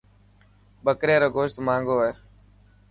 ٻڪري رو گوشت ماهنگو هي.